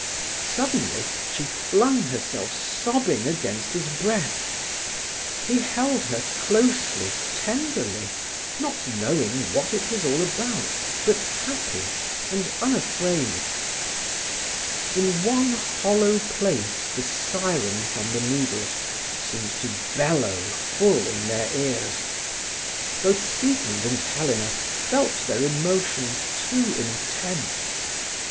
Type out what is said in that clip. Suddenly she flung herself sobbing against his breast. He held her closely, tenderly, not knowing what it was all about, but happy and unafraid. In one hollow place the siren from the Needles seemed to bellow full in their ears. Both Siegmund and Helena felt their emotion too intense.